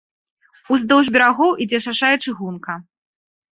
Уздоўж берагоў ідзе шаша і чыгунка.